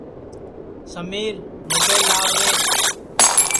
سمیر مُبیل لاو رے